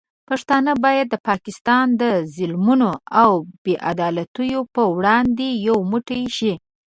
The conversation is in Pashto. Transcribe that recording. پښتانه باید د پاکستان د ظلمونو او بې عدالتیو پر وړاندې یو موټی شي.